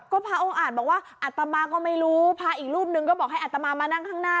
ก็พระองค์อ่านบอกว่าอัตมาก็ไม่รู้พระอีกรูปนึงก็บอกให้อัตมามานั่งข้างหน้า